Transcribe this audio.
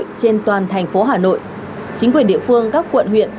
trên toàn thành phố hà nội chính quyền địa phương các quận huyện